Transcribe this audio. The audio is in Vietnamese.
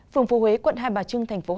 phường phú huế quận hai bà trưng tp hcm